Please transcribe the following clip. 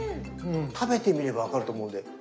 食べてみれば分かると思うんで。